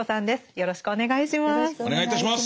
よろしくお願いします。